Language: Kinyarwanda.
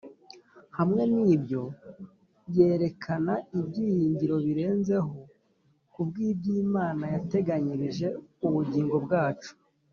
hamwe n'ibyo yerekana ibyiringiro birenzeho ku bw’ iby’Imana yateganirije ubugingo bwacu